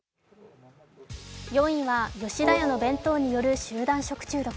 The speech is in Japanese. ４位は、吉田屋の弁当による集団食中毒。